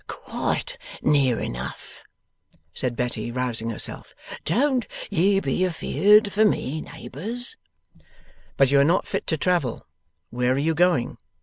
'Quite near enough,' said Betty, rousing herself. 'Don't ye be afeard for me, neighbours.' 'But you are not fit to travel. Where are you going?